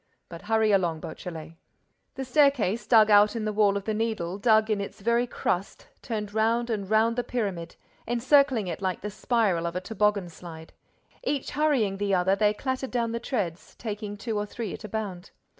—But hurry along, Beautrelet!" The staircase, dug out in the wall of the Needle, dug in its very crust, turned round and round the pyramid, encircling it like the spiral of a tobogganslide. Each hurrying the other, they clattered down the treads, taking two or three at a bound.